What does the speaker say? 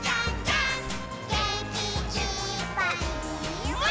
「げんきいっぱいもっと」